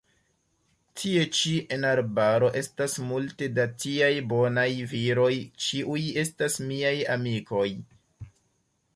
Tie ĉi en arbaro estas multe da tiaj bonaj viroj, ĉiuj estas miaj amikoj!